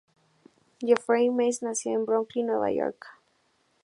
Jeffrey Mace nació en Brooklyn, Nueva York.